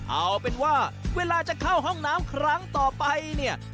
เอาเป็นว่าเวลาจะเข้าห้องน้ำครั้งต่อไปเนี่ย